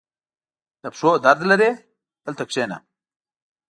• د پښو درد لرې؟ دلته کښېنه.